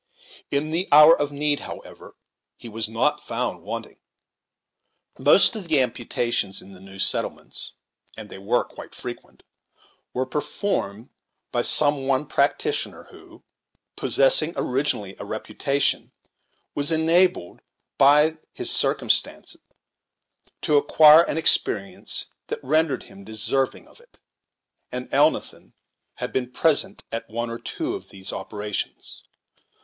In the hour of need, however, he was not found wanting. Most of the amputations in the new settlements, and they were quite frequent, were per formed by some one practitioner who, possessing originally a reputation, was enabled by this circumstance to acquire an experience that rendered him deserving of it; and Elnathan had been present at one or two of these operations.